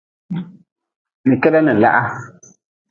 Ni keda ni laha.